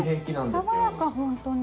さわやかホントに。